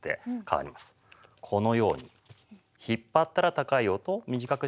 このように引っ張ったら高い音短くしたら低い音。